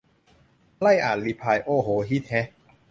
ไล่อ่านรีพลาย โอ้โห ฮิตแฮะ